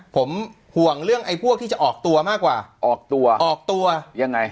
ผมห่วงเรื่องไอ้พวกที่จะออกตัวมากกว่าออกตัวออกตัวยังไง